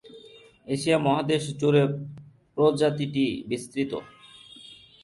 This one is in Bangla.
এশিয়া মহাদেশ জুড়ে প্রজাতিটি বিস্তৃত।